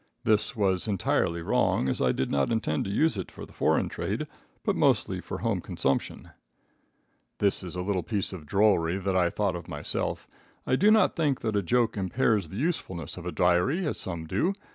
This was entirely wrong, as I did not intend to use it for the foreign trade, but mostly for home consumption. This is a little piece of drollery that I thought of myself. I do not think that a joke impairs the usefulness of a diary, as some do.